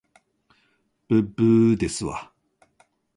ぶっぶーですわ